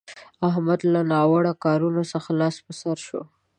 احمد له ناوړه کارونه څخه لاس پر سو شو.